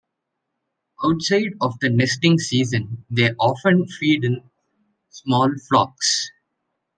Outside of the nesting season, they often feed in small flocks.